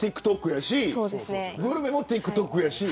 やしグルメもＴｉｋＴｏｋやし。